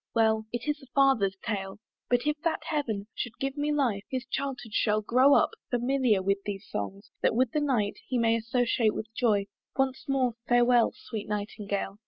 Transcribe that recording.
Well It is a father's tale. But if that Heaven Should give me life, his childhood shall grow up Familiar with these songs, that with the night He may associate Joy! Once more farewell, Sweet Nightingale!